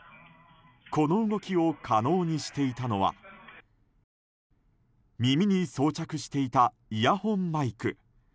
この動きを可能にしていたのは耳に装着していたイヤホンマイク。